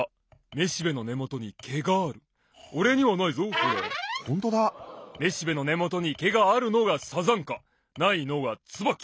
めしべのねもとにけがあるのがサザンカ！ないのがツバキ！